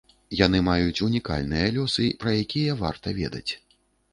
Яны маюць унікальныя лёсы, пра якія варта ведаць.